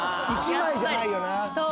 １枚じゃないよな。